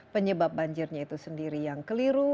penyebab banjirnya itu sendiri yang keliru